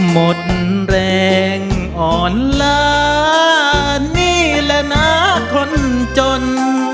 หมดแรงอ่อนลานี่แหละนะคนจน